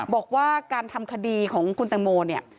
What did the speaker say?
บอกว่าการทำคดีของคุณตังโมเนี่ย